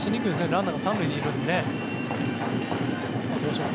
ランナーが３塁にいるので。